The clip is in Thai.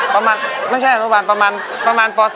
ประมาณป๓๔ครับ